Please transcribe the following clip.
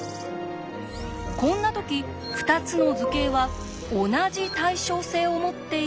こんな時２つの図形は同じ対称性を持っているというのです。